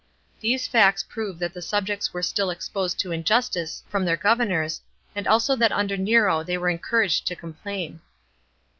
These facts prove that the subjects were still exposed to injustice from their governors, and also that under Nero they were encouraged to complain.